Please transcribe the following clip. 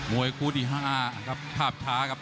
มวยกู้ที่๕ครับข้าบท้าครับ